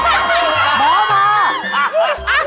หมอมา